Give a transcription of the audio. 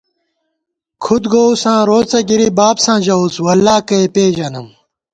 کھُد گووُساں روڅہ گِری بابساں ژَوُس “واللہ کَہ ئے پېژَنَم”